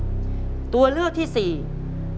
คุณยายแจ้วเลือกตอบจังหวัดนครราชสีมานะครับ